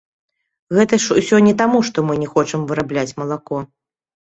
Гэта ж усё не таму, што мы не хочам вырабляць малако!